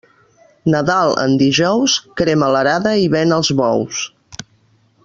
Nadal en dijous, crema l'arada i ven els bous.